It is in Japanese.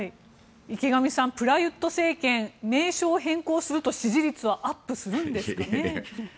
池上さんプラユット政権名称変更すると支持率はアップするんですかね